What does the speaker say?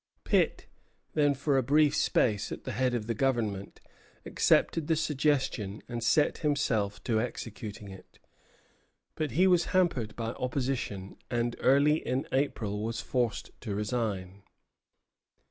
Pitt, then for a brief space at the head of the Government, accepted the suggestion, and set himself to executing it; but he was hampered by opposition, and early in April was forced to resign.